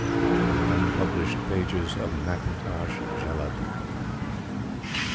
From the Unpublished Papers of McIntosh Jellaludin.